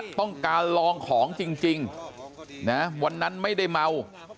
ต้องการลองของจริงนะวันนั้นไม่ได้เมา